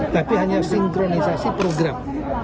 tapi hanya sinkronisasi program